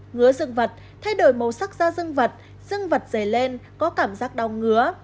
ngứa dương vật thay đổi màu sắc da dương vật dương vật dày lên có cảm giác đau ngứa